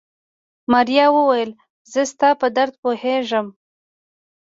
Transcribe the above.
ماريا وويل زه ستا په درد پوهېږم.